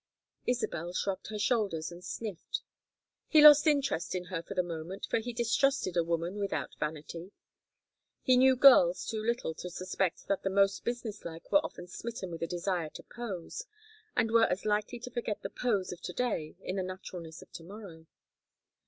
Isabel shrugged her shoulders and sniffed. He lost interest in her for the moment, for he distrusted a woman without vanity. He knew girls too little to suspect that the most business like were often smitten with a desire to pose; and were as likely to forget the pose of to day in the naturalness of to morrow.